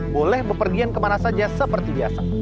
boleh berpergian kemana saja seperti biasa